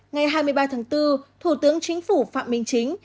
ngày hai mươi ba tháng bốn thủ tướng chính phủ phạm minh chính